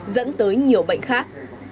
dẫn tới nhiều bệnh khác